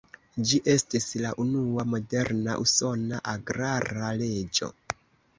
Ĝi estis la unua moderna usona agrara leĝo.